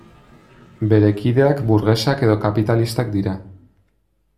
Bere kideak burgesak edo kapitalistak dira.